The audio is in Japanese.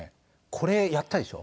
これやったでしょ？